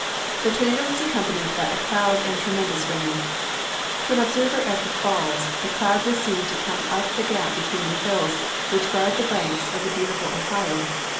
The tornado was accompanied by a cloud and tremendous rain. To an observer at the Falls, the cloud was seen to come up the gap between the hills which guard the banks of the beautiful Ohio.